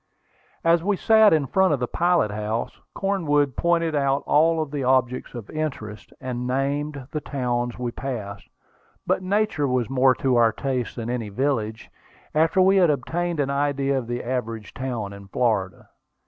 As we sat in front of the pilot house, Cornwood pointed out all the objects of interest, and named the towns we passed. But nature was more to our taste than any village, after we had obtained an idea of the average town in Florida.